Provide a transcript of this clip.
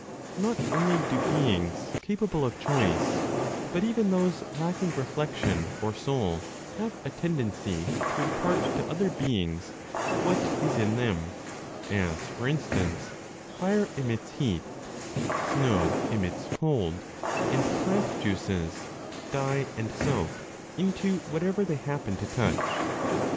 Not only do beings capable of choice, but even those lacking reflection or soul have a tendency to impart to other beings, what is in them; as, for instance, fire emits heat, snow emits cold; and plant juices (dye and soak) into whatever they happen to touch.